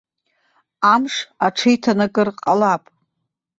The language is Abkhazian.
Амш аҽеиҭанакыр ҟалап.